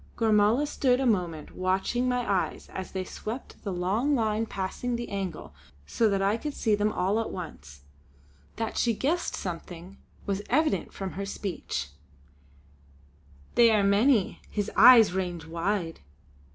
Gormala stood a moment watching my eyes as they swept the long line passing the angle so that I could see them all at once. That she guessed something was evident from her speech: "They are many; his eyes range wide!"